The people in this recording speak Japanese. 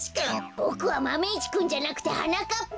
ボクはマメ１くんじゃなくてはなかっぱ！